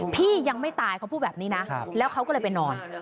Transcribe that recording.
พี่ยังไม่ตายเขาพูดแบบนี้นะแล้วเขาก็เลยไปนอน